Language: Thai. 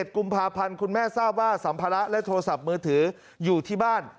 กุมภาพันธ์คุณแม่ทราบว่าสัมภาระและโทรศัพท์มือถืออยู่ที่บ้าน